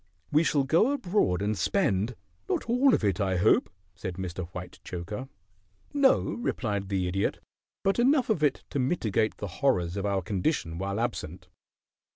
We shall go abroad and spend " "Not all of it, I hope?" said Mr. Whitechoker. "No," replied the Idiot. "But enough of it to mitigate the horrors of our condition while absent."